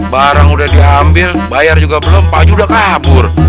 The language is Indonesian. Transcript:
barang udah diambil bayar juga belum pasti udah kabur